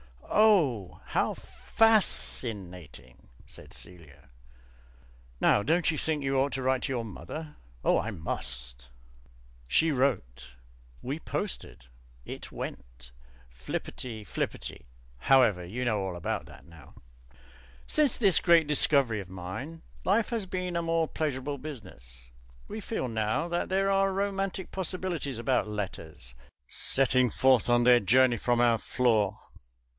"O oh! How fas cinating!" said Celia. "Now don't you think you ought to write to your mother?" "Oh, I must." She wrote. We posted it. It went. Flipperty flipperty However, you know all about that now. Since this great discovery of mine, life has been a more pleasurable business. We feel now that there are romantic possibilities about Letters setting forth on their journey from our floor.